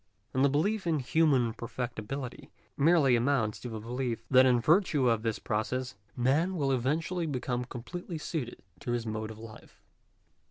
And the belief in human perfectibility, merely amounts to the belief, that in virtue of this process, man will , eventually become completely suited to his mode of life.